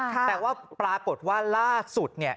แต่ว่าปรากฏว่าล่าสุดเนี่ย